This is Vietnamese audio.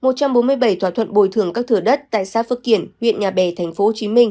một trăm bốn mươi bảy thỏa thuận bồi thường các thửa đất tại xã phước kiển huyện nhà bè tp hcm